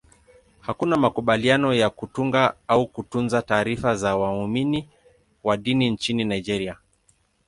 Hakuna makubaliano ya kutunga au kutunza taarifa za waumini wa dini nchini Nigeria.